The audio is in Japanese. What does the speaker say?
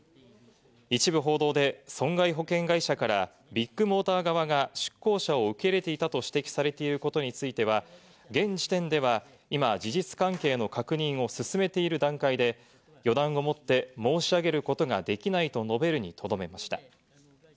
一部報道で、損害保険会社からビッグモーター側が出向者を受け入れていたと指摘されていることについては、現時点では今、事実関係の確認を進めている段階で予断をもって申し上げることができないと述べるにとどめました。